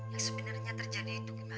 yang sebenarnya terjadi itu gimana